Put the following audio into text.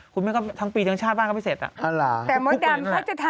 คุณแม่ก็ทั้งปีทั้งชาติบ้านก็ไม่เสร็จอ่ะ